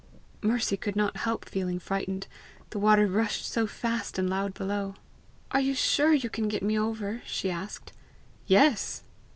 Mercy could not help feeling frightened the water rushed so fast and loud below. "Are you sure you can get me over?" she asked. "Yes."